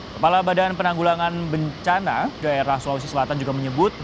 kepala badan penanggulangan bencana daerah sulawesi selatan juga menyebut